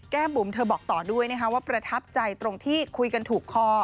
บุ๋มเธอบอกต่อด้วยนะคะว่าประทับใจตรงที่คุยกันถูกคอ